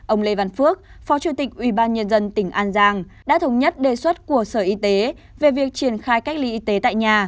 ông lê văn phước phó chủ tịch ubnd tỉnh an giang đã thống nhất đề xuất của sở y tế về việc triển khai cách ly y tế tại nhà